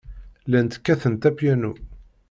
Llant kkatent apyanu.